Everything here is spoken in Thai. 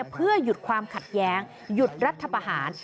เพื่อหยุดความขัดแย้งหยุดรัฐประหาร